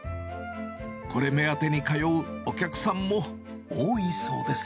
これ目当てに通うお客さんも多いそうです。